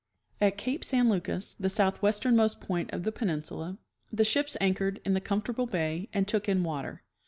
At cape San Lucas, the southwesternmost point of the penin sula, the ships anchored in the comfortable bay and took in water.